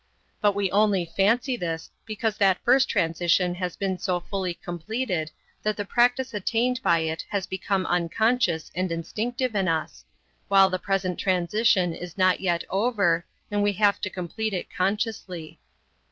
But we only fancy this because that first transition has been so fully completed that the practice attained by it has become unconscious and instinctive in us, while the present transition is not yet over and we have to complete it consciously.